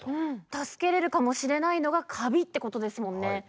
助けれるかもしれないのがカビってことですもんね。